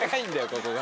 ここが。